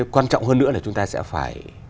quan trọng hơn nữa là chúng ta sẽ phải